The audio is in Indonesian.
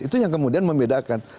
itu yang kemudian membedakan